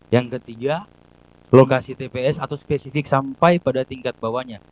yang ketiga lokasi tps atau spesifik sampai pada tingkat bawahnya